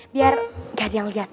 biar gak ada yang liat